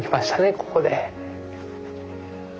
ここで。